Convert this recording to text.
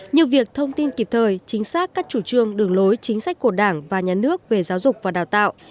như việc thông tin kịp thời chính xác các chủ trương đường lối chính sách của đảng và nhà nước về giáo dục và đào tạo